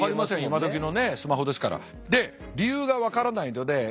今どきのスマホですから。